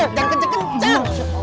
ayo jangan kenceng kenceng